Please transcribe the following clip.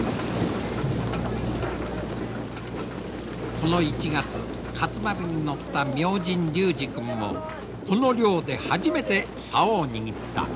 この１月勝丸に乗った明神隆治君もこの漁で初めてさおを握った。